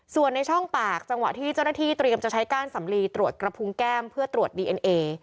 ส่วนในช่องปากจังหวะที่เจ้าหน้าที่เตรียมจะใช้ก้านสำลีตรวจกระพุงแก้มเพื่อตรวจดีเอ็นเอ